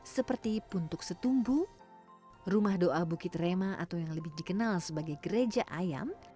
seperti puntuk setumbu rumah doa bukit rema atau yang lebih dikenal sebagai gereja ayam